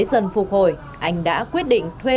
dần phục hồi anh đã quyết định thuê